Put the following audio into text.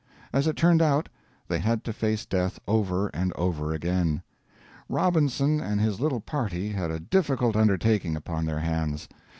As it turned out, they had to face death over and over again. Robinson and his little party had a difficult undertaking upon their hands.